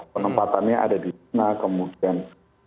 penempatannya ada di sana kemudian